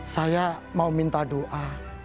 saya mau minta doa